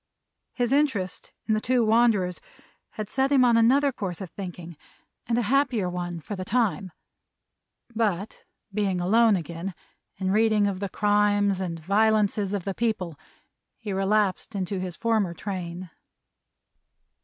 His interest in the two wanderers had set him on another course of thinking, and a happier one, for the time; but being alone again, and reading of the crimes and violences of the people, he relapsed into his former train.